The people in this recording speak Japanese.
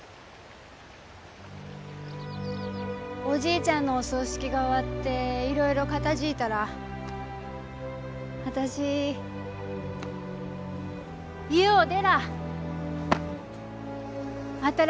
おじいちゃんのお葬式が終わっていろいろ片づぃたら私家を出らあ。